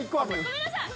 ごめんなさい。